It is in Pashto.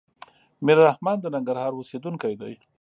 ميررحمان د ننګرهار اوسيدونکی دی.